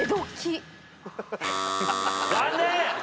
残念！